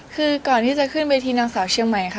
คือก่อนที่จะขึ้นเวทีนางสาวเชียงใหม่ค่ะ